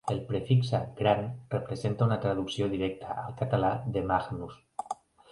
El prefixe "gran" representa una traducció directa al català de "magnus".